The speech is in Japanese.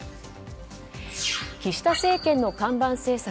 岸田政権の看板政策